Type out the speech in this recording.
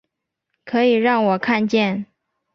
可以让我看见